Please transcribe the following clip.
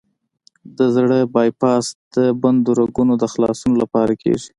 د زړه بای پاس د بندو رګونو د خلاصون لپاره کېږي.